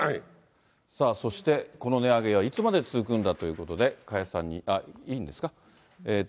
さあそして、この値上げはいつまで続くんだということで、加谷さんに、いいんですか？